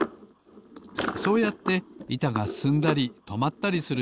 そうやっていたがすすんだりとまったりする